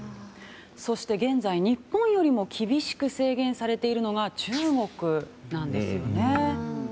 そして現在、日本よりも厳しく制限されているのが中国なんですよね。